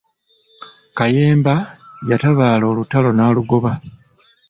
Kayemba yatabaala olutalo n'alugoba.